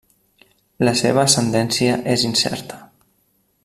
La seva ascendència és incerta.